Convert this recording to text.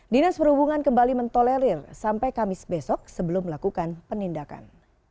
dinas perhubungan kembali mentolerir sampai kamis besok sebelum melakukan penindakan